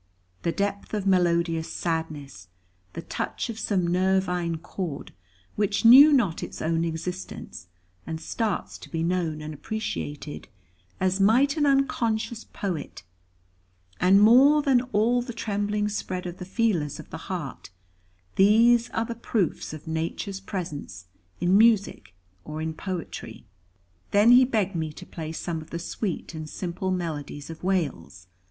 The depth of melodious sadness, the touch of some nervine chord, which knew not its own existence, and starts to be known and appreciated, as might an unconscious poet, and more than all the trembling spread of the feelers of the heart, these are the proofs of nature's presence in music or in poetry. Then he begged me to play some of the sweet and simple melodies of Wales.